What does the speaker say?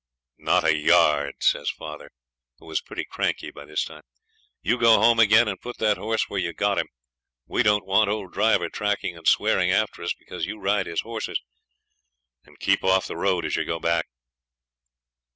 'Not a yard,' says father, who was pretty cranky by this time; 'you go home again and put that horse where you got him. We don't want old Driver tracking and swearing after us because you ride his horses; and keep off the road as you go back.'